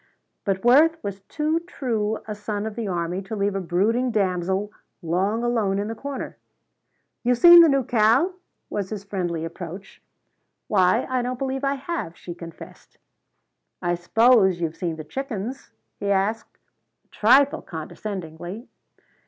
But Worth was too true a son of the army to leave a brooding damsel long alone in the corner. "You seen the new cow?" was his friendly approach. "Why, I don't believe I have," she confessed. "I s'pose you've seen the chickens?" he asked, a trifle condescendingly.